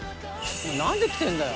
「何で来てんだよ？」